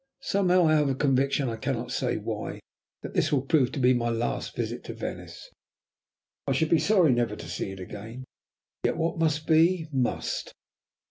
Somehow, I have a conviction, I cannot say why, that this will prove to be my last visit to Venice. I should be sorry never to see it again, yet what must be, must.